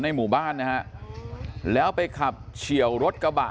หมู่บ้านนะฮะแล้วไปขับเฉียวรถกระบะ